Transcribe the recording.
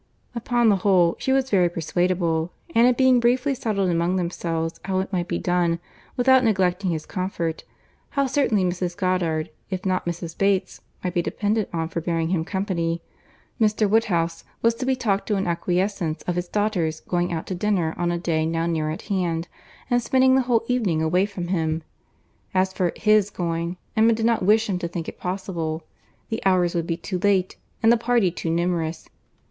Upon the whole, she was very persuadable; and it being briefly settled among themselves how it might be done without neglecting his comfort—how certainly Mrs. Goddard, if not Mrs. Bates, might be depended on for bearing him company—Mr. Woodhouse was to be talked into an acquiescence of his daughter's going out to dinner on a day now near at hand, and spending the whole evening away from him. As for his going, Emma did not wish him to think it possible, the hours would be too late, and the party too numerous.